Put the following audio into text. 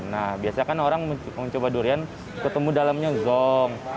nah biasanya kan orang mencoba durian ketemu dalamnya zonk